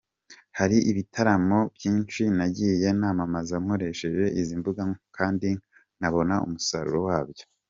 Hari ibitaramo byinshi nagiye namamaza nkoresheje izi mbuga kandi nkabona umusaruro wabyo.